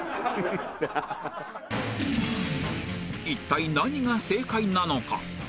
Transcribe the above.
一体何が正解なのか？